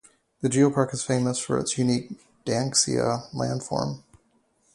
The Geopark is famous for its unique Danxia Landform.